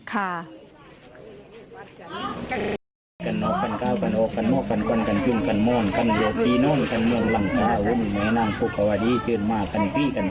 สร้างเตลอแก้อใช้น้ำออกขึ้นเป็นเบส